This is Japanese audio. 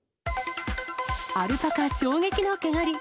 アルパカ衝撃の毛刈り。